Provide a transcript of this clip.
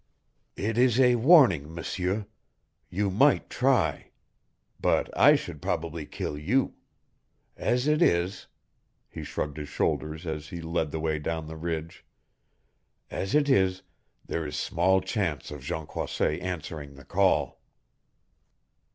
"It is a warning, M'seur. You might try. But I should probably kill you. As it is " he shrugged his shoulders as he led the way down the ridge "as it is, there is small chance of Jean Croisset answering the call."